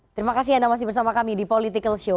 terima kasih anda masih bersama kami di politikalshow